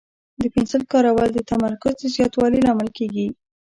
د پنسل کارول د تمرکز د زیاتوالي لامل کېږي.